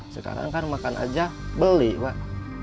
sekarang kan makan aja beli pak